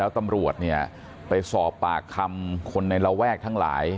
ตำรวจสอบปากคำคนในละแวกทั้งหลาย